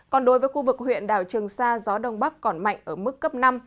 còn đối với khu vực huyện đảo trường sa gió đông bắc còn mạnh ở mức cấp năm